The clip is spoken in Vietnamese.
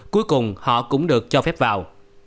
cuối cùng họ cũng được cho phép vào